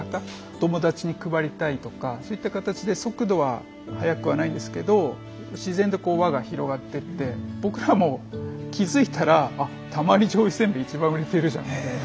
友達に配りたいとかそういった形で速度は速くはないんですけど自然と輪が広がってって僕らも気付いたらたまり醤油せんべい一番売れてるじゃんみたいな。